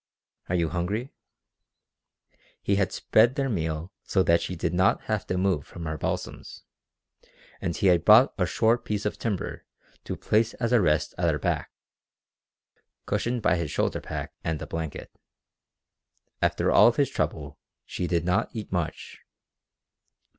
Are you hungry?" He had spread their meal so that she did not have to move from her balsams, and he had brought a short piece of timber to place as a rest at her back, cushioned by his shoulder pack and the blanket. After all his trouble she did not eat much.